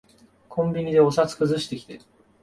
コンビニでお札くずしてきて。